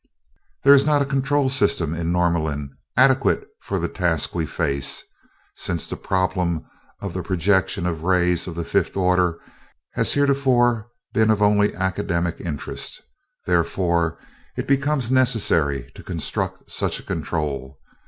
"There is not a control system in Norlamin adequate for the task we face, since the problem of the projection of rays of the fifth order has heretofore been of only academic interest. Therefore it becomes necessary to construct such a control.